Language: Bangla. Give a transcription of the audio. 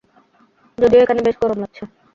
যদিও এখানে বেশ গরম লাগছে!